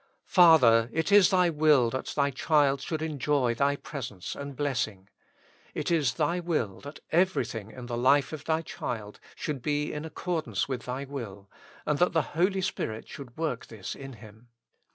Father ! it is Thy ivill that Thy child should enjoy Thy presence and blessing. It is Thy will that everything in the life of Thy child should be in accordance with Thy will, and that the Holy Spirit should work this in Him.